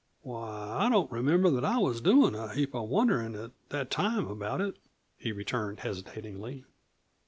"Why, I don't remember that I was doin' a heap of wonderin' at that time about it," he returned hesitatingly.